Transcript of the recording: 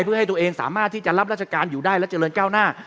เพื่อให้ตัวเองสามารถที่จะรับราชการอยู่ได้และเจริญก้าวหน้า